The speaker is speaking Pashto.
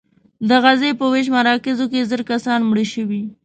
د غزې په ویش مراکزو کې زر کسان مړه شوي.